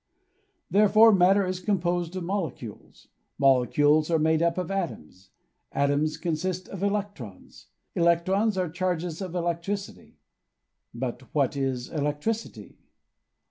Therefore, matter is composed of molecules. Molecules are made up of atoms. Atoms consist of electrons. Elec trons are charges of electricity. But what is electricity?